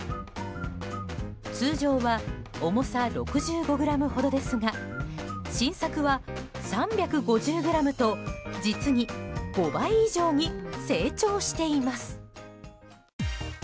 通常は重さ６５ｇほどですが新作は３５０ｇと実に５倍以上に成長しています。